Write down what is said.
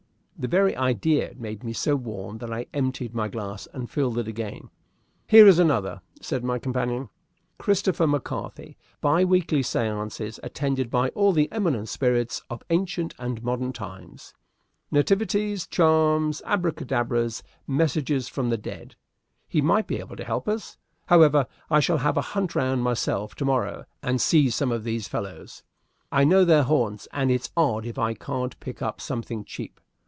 '" The very idea made me so warm that I emptied my glass and filled it again. "Here is another," said my companion, "'Christopher McCarthy; bi weekly séances attended by all the eminent spirits of ancient and modern times. Nativities charms abracadabras, messages from the dead.' He might be able to help us. However, I shall have a hunt round myself to morrow, and see some of these fellows. I know their haunts, and it's odd if I can't pick up something cheap.